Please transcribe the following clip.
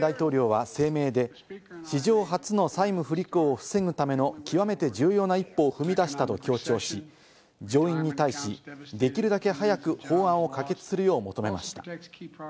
バイデン大統領は声明で、史上初の債務不履行を防ぐための極めて重要な一歩を踏み出したと強調し、上院に対し、できるだけ早く法案を可決するよう求めました。